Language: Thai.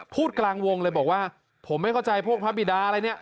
พูดกลางวงเลยบอกว่าผมไม่เข้าใจพวกพระบิดาอะไรเนี่ย